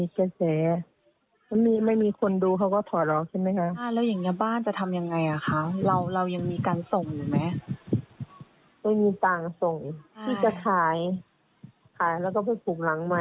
ขายแล้วก็คลุกหลังใหม่หลังเล็กอยู่